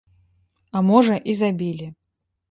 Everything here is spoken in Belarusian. А можа і забілі.